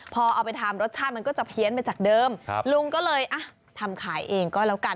พอเอาไปทำรสชาติมันก็จะเพี้ยนไปจากเดิมลุงก็เลยอ่ะทำขายเองก็แล้วกัน